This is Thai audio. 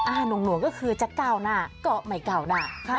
หน่วงก็คือจะก้าวหน้าก็ไม่ก้าวหน้า